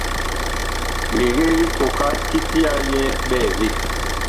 Legla likooka kiti ya yɛ ɓɛɛvee.